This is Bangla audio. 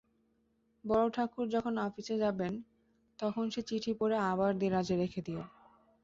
বড়োঠাকুর যখন আপিসে যাবেন তখন সে চিঠি পড়ে আবার দেরাজে রেখে দিয়ো।